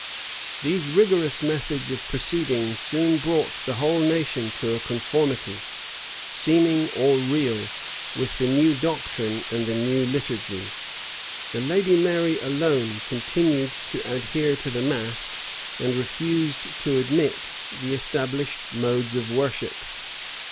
[] These rigorous methods of proceeding soon brought the whole nation to a conformity, seeming or real, with the new doctrine and the new liturgy. The lady Mary alone continued to adhere to the mass, and refused to admit the established modes of worship.